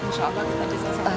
insya allah kita bisa selamatkan